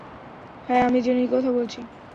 হ্যাঁ আমি জেনেই কথা বলছি!